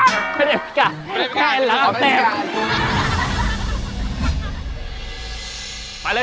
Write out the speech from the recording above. ไม่ได้พิการแค่ร้านแต่